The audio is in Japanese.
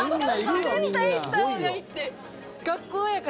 絶対行った方がいいって。